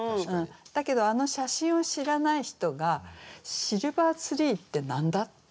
だけどあの写真を知らない人が「シルバーツリー」って何だ？ってことになりませんか。